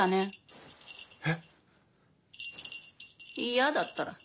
嫌だったら。